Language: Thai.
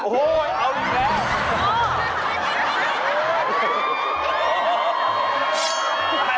โอ้โหเอาอีกแล้ว